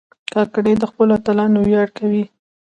کاکړي د خپلو اتلانو ویاړ کوي.